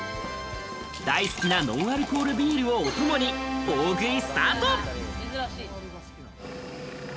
大好きなノンアルコールビールをお供に大食いスタート。